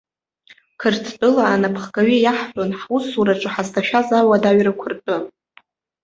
Қырҭтәыла анапхгаҩы иаҳҳәон ҳусураҿы ҳазҭашәаз ауадаҩрақәа ртәы.